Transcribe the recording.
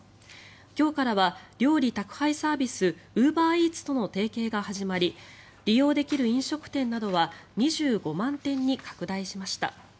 今日からは料理宅配サービスウーバーイーツとの提携が始まり利用できる飲食店などは２５万店に拡大しました。